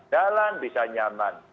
dalam bisa nyaman